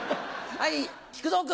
はい。